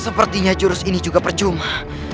sepertinya jurus ini juga percuma